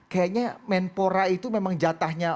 kayaknya menpora itu memang jatahnya